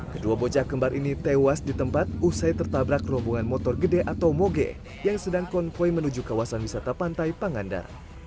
kedua bocah kembar ini tewas di tempat usai tertabrak rombongan motor gede atau moge yang sedang konvoy menuju kawasan wisata pantai pangandar